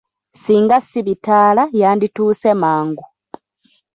Singa si bitaala yandituuse mangu.